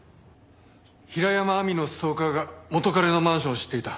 平山亜美のストーカーが元彼のマンションを知っていた。